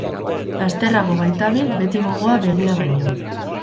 Lasterrago baitabil beti gogoa begia baino.